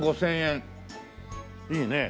いいね。